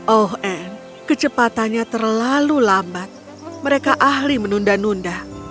oh anne kecepatannya terlalu lambat mereka ahli menunda nunda